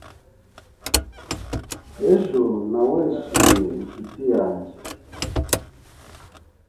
Ejo nawesuye inshuti yanjye .